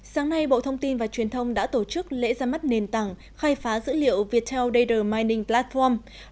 sáng nay bộ thông tin và truyền thông đã tổ chức lễ ra mắt nền tảng khai phá dữ liệu viettel data mining platform